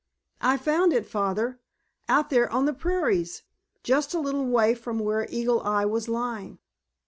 "I found it, Father—out there on the prairies—just a little way from where Eagle Eye was lying.